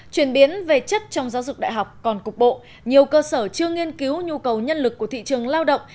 chuyển biến về chất trong giáo dục đại học còn cục bộ nhiều cơ sở chưa nghiên cứu nhu cầu nhân lực của thị trường lao động